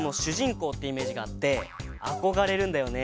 こうってイメージがあってあこがれるんだよね。